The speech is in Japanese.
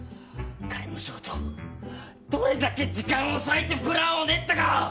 外務省とどれだけ時間を割いてプランを練ったか！